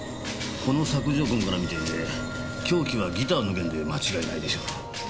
この索状痕から見て凶器はギターの弦で間違いないでしょう。